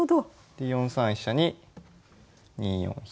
で４三飛車に２四飛。